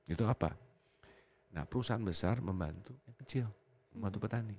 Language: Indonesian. itu apa nah perusahaan besar membantu kecil membantu petani